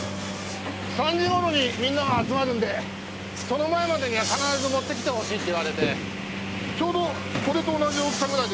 ３時頃にみんなが集まるんでその前までには必ず持ってきてほしいって言われてちょうどこれと同じ大きさぐらいですよ。